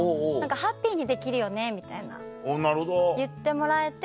ハッピーにできるよねみたいな言ってもらえて。